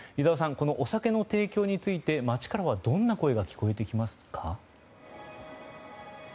このお酒の提供について街からはどんな声が聞こえてきますか？